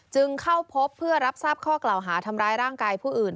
จึงเข้าพบเพื่อรับทราบข้อกล่าวหาทำร้ายร่างกายผู้อื่น